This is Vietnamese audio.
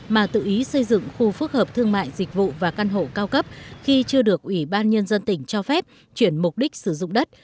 mà tự ý xây dựng khu phức hợp thương mại dịch vụ và căn hộ cao cấp khi chưa được ủy ban nhân dân tỉnh cho phép chuyển mục đích sử dụng đất